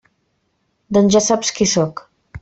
Doncs ja saps qui sóc.